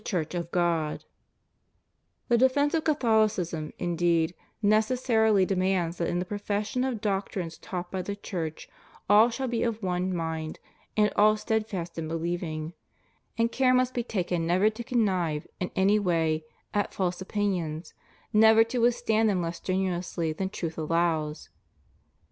133 Church of God,* The defence of CathoHcism, indeed, necessarily demands that in the profession of doctrines taught by the Church all shall be of one mind and all steadfast in believing; and care must be taken never to connive, in any way, at false opinions, never to withstand them less strenuously than truth allows.